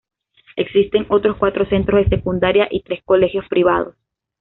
Existen otros cuatro centros de secundaria y tres colegios privados.